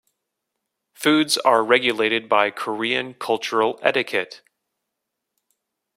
Foods are regulated by Korean cultural etiquette.